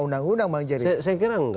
undang undang bang jerry